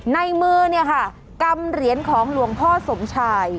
ในมือเนี่ยค่ะกำเหรียญของหลวงพ่อสมชาย